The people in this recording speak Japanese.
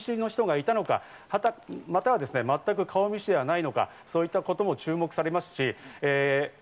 果たしてこの中に顔見知りの人がいたのか、または全く顔見知りではないのかそういったことも注目されます。